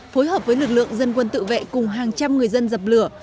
phối hợp với lực lượng dân quân tự vệ cùng hàng trăm người dân dập lửa